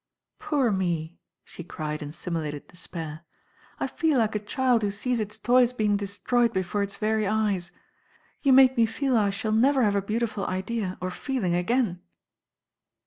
Poor me," she cried in simulated despair. "I feel like a child who sees its toys being destroyed before its very eyes. You make me feel I shall never have a beautiful idea or feeling again."